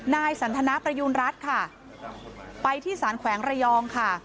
นายสันทนาประยูณรัฐค่ะไปที่สารแขวงระยองค่ะ